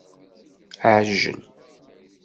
Aεjel